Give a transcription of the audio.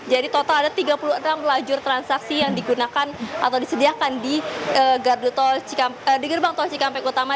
jadi total ada tiga puluh enam lajur transaksi yang digunakan atau disediakan di gerbang tol cikamek utama